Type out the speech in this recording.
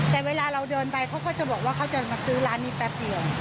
แต่เวลาเราเดินไปเขาก็จะบอกว่าเขาจะมาซื้อร้านนี้แป๊บเดียว